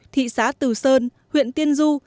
thị xá từ sơn huyện tiên du